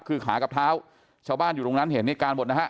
คือขากับเท้าชาวบ้านอยู่ตรงนั้นเห็นเหตุการณ์หมดนะฮะ